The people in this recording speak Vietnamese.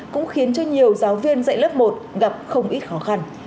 cũng khiến cho nhiều giáo viên dạy lớp một gặp không ít khó khăn